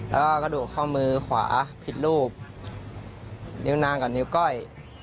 แล้วก็กระดูกข้อมือขวาผิดรูปนิ้วนางกับนิ้วก้อย